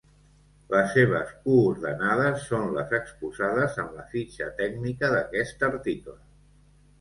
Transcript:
Les seves coordenades són les exposades en la fitxa tècnica d'aquest article.